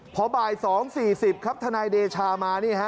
พอบ่าย๒๔๐ครับทนายเดชามานี่ฮะ